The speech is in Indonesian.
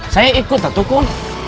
saya ikut atuh kung